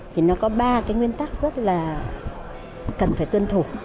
thì nó có ba cái nguyên tắc rất là cần phải tuân thủ